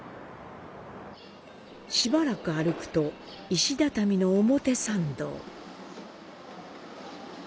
しばらく歩くと石畳の表参道。